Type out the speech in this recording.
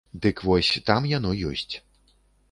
Дык вось, там яно ёсць!